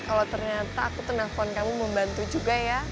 kalau ternyata aku ternyata telfon kamu membantu juga ya